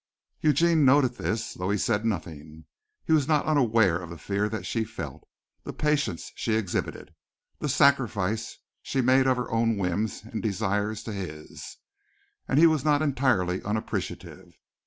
Eugene noted this, though he said nothing. He was not unaware of the fear that she felt, the patience she exhibited, the sacrifice she made of her own whims and desires to his, and he was not entirely unappreciative.